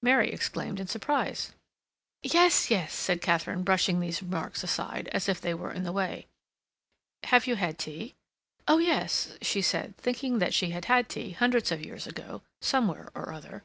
Mary exclaimed in surprise. "Yes, yes," Katharine said, brushing these remarks aside, as if they were in the way. "Have you had tea?" "Oh yes," she said, thinking that she had had tea hundreds of years ago, somewhere or other.